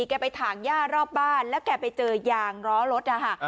แกไปถ่างย่ารอบบ้านแล้วแกไปเจอยางล้อรถนะคะ